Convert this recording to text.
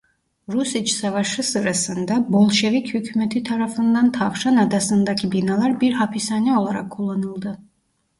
Rus İç Savaşı sırasında Bolşevik hükûmeti tarafından Tavşan Adası'ndaki binalar bir hapishane olarak kullanıldı.